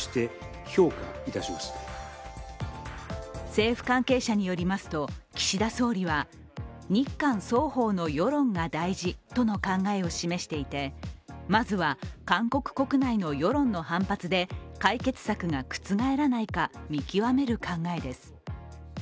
政府関係者によりますと岸田総理は日韓双方の世論が大事との考えを示していてまずは、韓国国内の世論の反発で解決策が覆らないか見極める考えです。